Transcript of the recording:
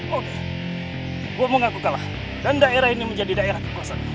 oke oke gua mau ngaku kalah dan daerah ini menjadi daerah kekuasaan